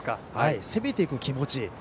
攻めていく気持ち。